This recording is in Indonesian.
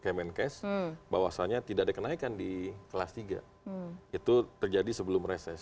kemenkes bahwasannya tidak ada kenaikan di kelas tiga itu terjadi sebelum reses